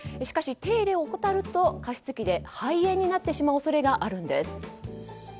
しかし、手入れを怠ると加湿器で肺炎になってしまう恐れがあるんです。